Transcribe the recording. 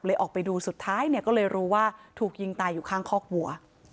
ออกไปดูสุดท้ายเนี่ยก็เลยรู้ว่าถูกยิงตายอยู่ข้างคอกวัว